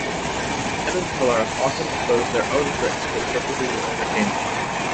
Penn and Teller have often exposed their own tricks for the purposes of entertainment.